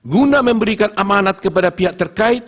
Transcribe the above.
guna memberikan amanat kepada pihak terkait